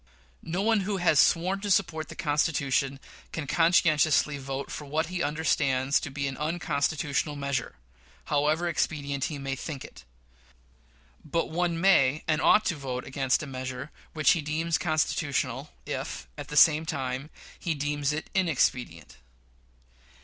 No one who has sworn to support the Constitution can conscientiously vote for what he understands to be an unconstitutional measure, however expedient he may think it; but one may and ought to vote against a measure which he deems constitutional, if, at the same time, he deems it inexpedient.